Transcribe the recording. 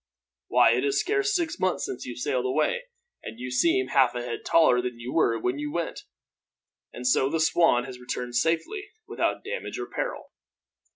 Why, it is scarce six months since you sailed away, and you seem half a head taller than you were when you went! And so the Swan has returned safely, without damage or peril?"